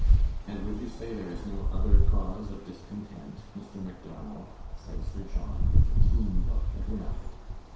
"And would you say there is no other cause of discontent, Mr. Macdonald?" said Sir John, with a keen look at Ranald.